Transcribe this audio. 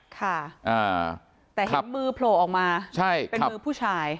ค่ะแต่เห็นมือโผล่ออกมาเป็นมือผู้ชาย